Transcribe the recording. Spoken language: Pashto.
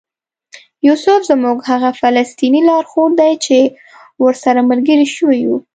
یوسف زموږ هغه فلسطینی لارښود دی چې ورسره ملګري شوي یو.